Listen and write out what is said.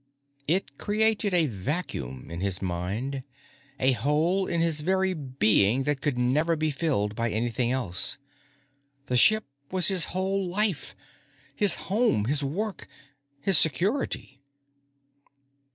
It created a vacuum in his mind, a hole in his very being that could never be filled by anything else. The ship was his whole life his home, his work, his security.